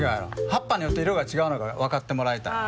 葉っぱによって色が違うのを分かってもらいたい。